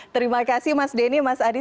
terima kasih mas denny mas adi